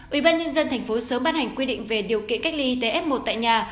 ủy ban nhân dân thành phố sớm ban hành quy định về điều kiện cách ly y tế f một tại nhà